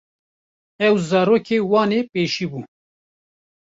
Ew zarokê wan ê pêşî bû.